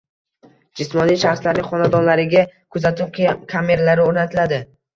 Jismoniy shaxslarning xonadonlariga kuzatuv kameralari oʻrnatiladi